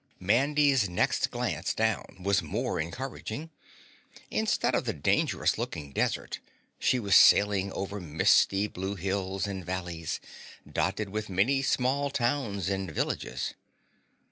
Mandy's next glance down was more encouraging. Instead of the dangerous looking desert, she was sailing over misty blue hills and valleys dotted with many small towns and villages.